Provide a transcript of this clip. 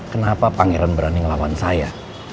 kenapa pangeran berani melawan saya